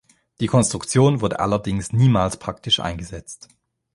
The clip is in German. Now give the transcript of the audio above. Die Konstruktion wurde allerdings niemals praktisch eingesetzt.